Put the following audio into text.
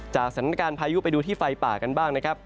จากสถานการณ์พายุไปดูที่ไฟป่ากันบ้างนะครับ